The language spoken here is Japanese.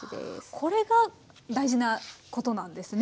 これが大事なことなんですね。